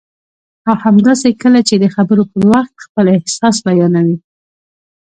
او همداسې کله چې د خبرو پر وخت خپل احساس بیانوي